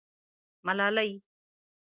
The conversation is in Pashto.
_ملالۍ.